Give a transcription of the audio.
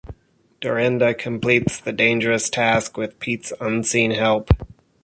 Dorinda completes the dangerous task, with Pete's unseen help.